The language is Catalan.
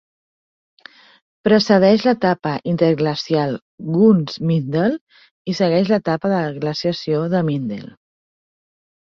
Precedeix l'etapa interglacial Günz-Mindel i segueix l'etapa de glaciació de Mindel.